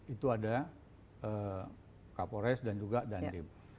itu ada kapolres dan juga dandim